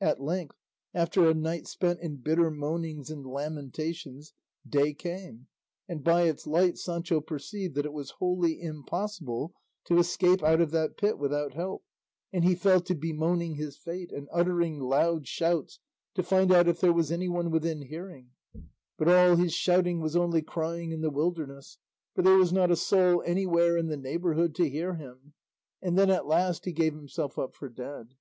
At length, after a night spent in bitter moanings and lamentations, day came, and by its light Sancho perceived that it was wholly impossible to escape out of that pit without help, and he fell to bemoaning his fate and uttering loud shouts to find out if there was anyone within hearing; but all his shouting was only crying in the wilderness, for there was not a soul anywhere in the neighbourhood to hear him, and then at last he gave himself up for dead.